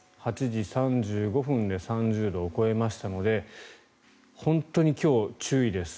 ８時３５分で３０度を超えましたので本当に今日、注意です。